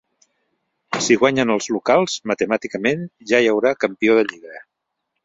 Si guanyen els locals, matemàticament ja hi haurà campió de lliga.